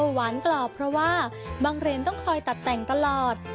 หวานกรอบเพราะว่าบางเรนต้องคอยตัดแต่งตลอด